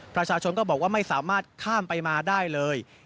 ประชาชนก็บอกว่าไม่สามารถข้ามไปมาได้เลย